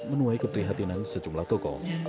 menuai keprihatinan sejumlah tokoh